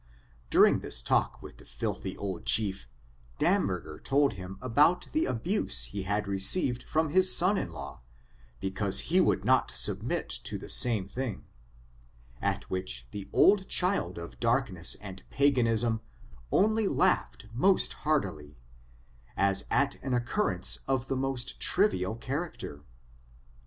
During this talk with the filthy old chief, Damberger told him about the abuse he had received from his son in law, because he would not submit to the same thing ; at which the old child of darkness and paganism only laughed most heartily, as at an occurrence of the most trivial character.